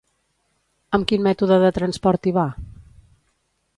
Amb quin mètode de transport hi va?